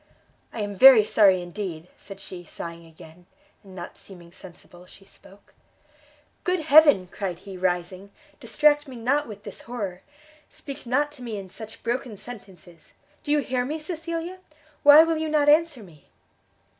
"I am very sorry indeed!" said she, sighing again, and not seeming sensible she spoke. "Good Heaven!" cried he, rising, "distract me not with this horror! speak not to me in such broken sentences! Do you hear me, Cecilia? why will you not answer me?"